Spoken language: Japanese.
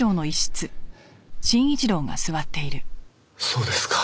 そうですか。